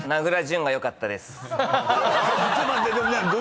ちょっと待って。